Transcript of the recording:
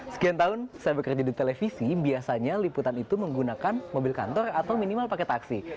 sekian tahun saya bekerja di televisi biasanya liputan itu menggunakan mobil kantor atau minimal pakai taksi